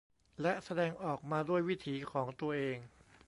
และแสดงออกมาด้วยวิถีของตัวเอง